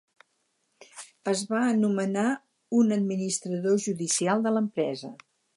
Es va nomenar un administrador judicial de l'empresa.